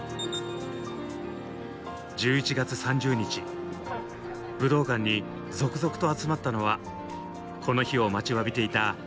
１１月３０日武道館に続々と集まったのはこの日を待ちわびていたたくさんのファンたち。